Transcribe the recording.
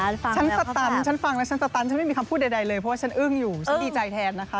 ฉันสตันฉันฟังแล้วฉันสตันฉันไม่มีคำพูดใดเลยเพราะว่าฉันอึ้งอยู่ฉันดีใจแทนนะคะ